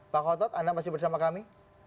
pak khotot anda masih bersama kami